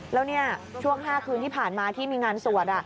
แล้วช่วง๕คืนที่ผ่านมาที่มีงานสวด